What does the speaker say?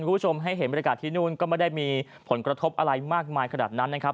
คุณผู้ชมให้เห็นบรรยากาศที่นู่นก็ไม่ได้มีผลกระทบอะไรมากมายขนาดนั้นนะครับ